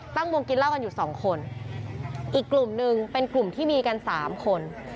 ตั้งวงกินเหล้ากันอยู่สองคนอีกกลุ่มหนึ่งเป็นกลุ่มที่มีกันสามคน